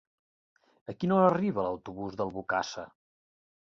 A quina hora arriba l'autobús d'Albocàsser?